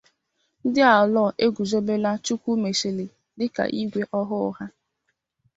Ndị Alor Eguzobela Chukwumesili Dịka Igwe Ọhụụ Ha